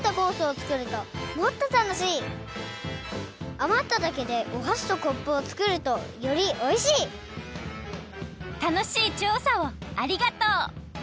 あまった竹でおはしとコップを作るとよりおいしい楽しいちょうさをありがとう！